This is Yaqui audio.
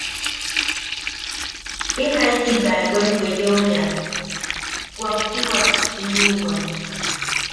Kee jaiki taewaim weyeo bea kuaktiwak ti jiuwa.